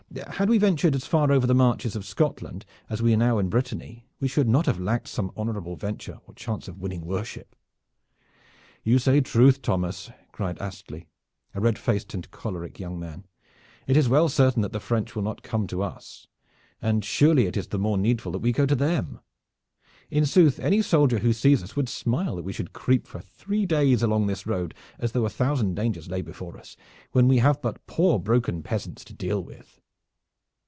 Had we ventured as far over the marches of Scotland as we now are in Brittany, we should not have lacked some honorable venture or chance of winning worship." "You say truth, Thomas," cried Astley, a red faced and choleric young man. "It is well certain that the French will not come to us, and surely it is the more needful that we go to them. In sooth, any soldier who sees us would smile that we should creep for three days along this road as though a thousand dangers lay before us, when we have but poor broken peasants to deal with."